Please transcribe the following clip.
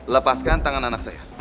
lepaskan tangan anak saya